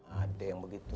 ada yang begitu